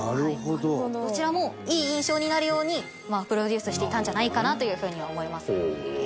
どちらもいい印象になるようにプロデュースしていたんじゃないかなという風には思います。